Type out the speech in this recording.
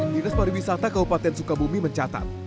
dinas pariwisata kabupaten sukabumi mencatat